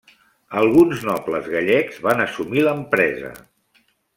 Alguns nobles gallecs van assumir l'empresa.